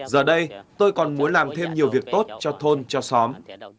giờ đây tôi còn muốn làm thêm nhiều việc tốt cho thôn cho xóm